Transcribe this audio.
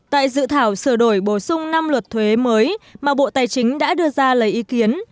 tại dự thảo sửa đổi bổ sung năm luật thuế mới mà bộ tài chính đã đưa ra lời ý kiến